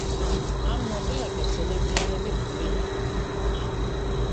ამ ნაწილაკებს ელექტრონები ჰქვია.